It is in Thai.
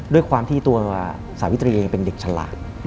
ด้วยความที่ตัวสาวิตรีเองเป็นเด็กฉลาด